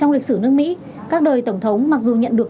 trong lịch sử nước mỹ các đời tổng thống mặc dù nhận được